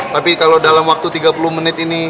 tapi kalau dalam waktu tiga puluh menit ini